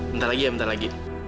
bentar lagi ya bentar lagi